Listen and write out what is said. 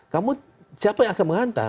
kamu siapa yang akan mengantar